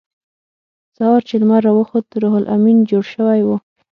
سهار چې لمر راوخوت روح لامین جوړ شوی و